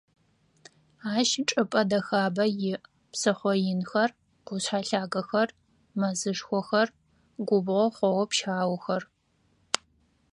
Ащ чӀыпӀэ дэхабэ иӀ: псыхъо инхэр, къушъхьэ лъагэхэр, мэзышхохэр, губгъо хъоо-пщаухэр.